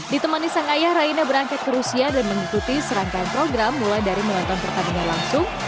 ditemani sang ayah raina berangkat ke rusia dan mengikuti serangkaian program mulai dari menonton pertandingan langsung